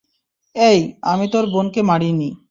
এই, আমি তোর বোনকে মারিনি।